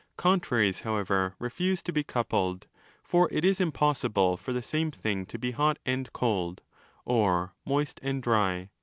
Contraries, however, refuse to be coupled: for it is impossible for the same thing to be hot and cold, or moist and dry.